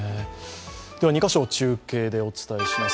２か所中継でお伝えします。